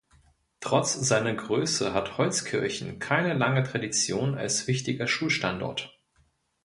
Trotz seiner Größe hat Holzkirchen keine lange Tradition als wichtiger Schulstandort.